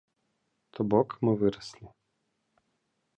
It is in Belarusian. То бок, мы выраслі.